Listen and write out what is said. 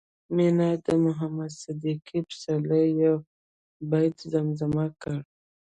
مينې د محمد صديق پسرلي يو بيت زمزمه کړ